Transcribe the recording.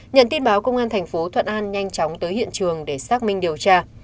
nhận tin báo công an thành phố thuận an nhanh chóng tới hiện trường để xác minh điều tra